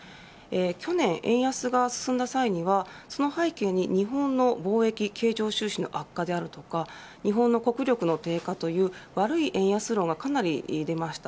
去年、円安が進んだ際にはその背景に日本の貿易経常収支の悪化であるとか日本の国力の低下という悪い円安論がかなり出ました。